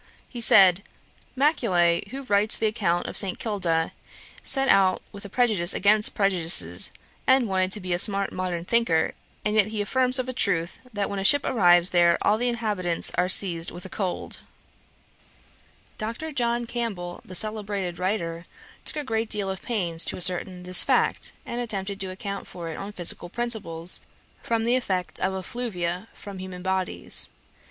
He said, 'Macaulay, who writes the account of St. Kilda, set out with a prejudice against prejudices, and wanted to be a smart modern thinker; and yet he affirms for a truth, that when a ship arrives there, all the inhabitants are seized with a cold.' Dr. John Campbell, the celebrated writer, took a great deal of pains to ascertain this fact, and attempted to account for it on physical principles, from the effect of effluvia from human bodies.